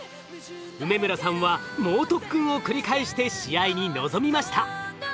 梅村さんは猛特訓を繰り返して試合に臨みました。